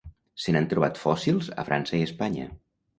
Se n'han trobat fòssils a França i Espanya.